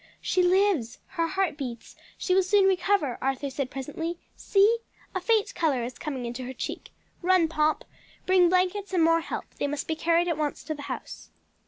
"She lives! her heart beats! she will soon recover!" Arthur said presently, "see, a faint color is coming into her cheek. Run, Pomp, bring blankets and more help; they must be carried at once to the house."